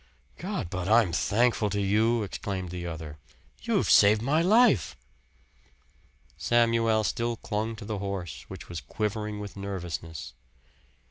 "God, but I'm thankful to you!" exclaimed the other. "You've saved my life!" Samuel still clung to the horse, which was quivering with nervousness.